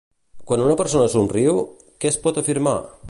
Quan una persona somriu, què es pot afirmar?